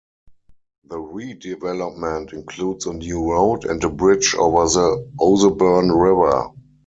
The redevelopment includes a new road and a bridge over the Ouseburn river.